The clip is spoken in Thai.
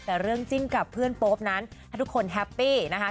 แต่เรื่องจิ้นกับเพื่อนโป๊ปนั้นถ้าทุกคนแฮปปี้นะคะ